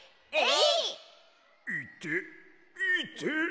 ・いていて。